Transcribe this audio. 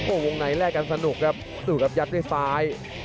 โอ้ววงไหนแลกกันสนุกครับสู้กับยักษ์ด้วยซ้าย